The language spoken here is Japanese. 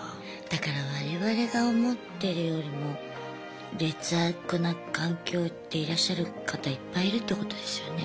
だから我々が思ってるよりも劣悪な環境でいらっしゃる方いっぱいいるってことですよね。